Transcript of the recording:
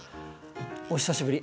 お久しぶり。